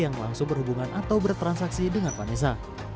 yang langsung berhubungan atau bertransaksi dengan vanessa